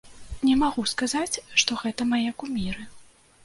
Не магу сказаць, што гэта мае куміры.